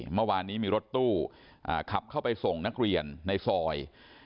เมื่อวานนี้มีรถตู้ขับเข้าไปส่งนักเรียนในซอย